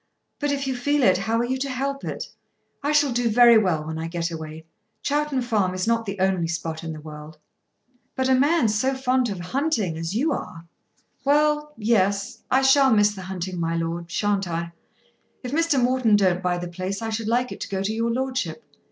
But if you feel it, how are you to help it? I shall do very well when I get away. Chowton Farm is not the only spot in the world." "But a man so fond of hunting as you are!" "Well; yes. I shall miss the hunting, my lord, shan't I? If Mr. Morton don't buy the place I should like it to go to your lordship.